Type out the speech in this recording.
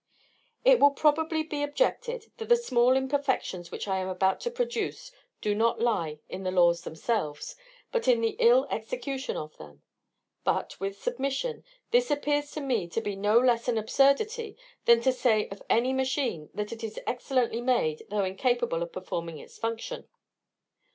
It will probably be objected, that the small imperfections which I am about to produce do not lie in the laws themselves, but in the ill execution of them; but, with submission, this appears to me to be no less an absurdity than to say of any machine that it is excellently made, though incapable of performing its functions.